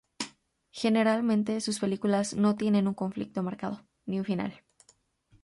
Generalmente sus películas no tienen un conflicto marcado, ni un final.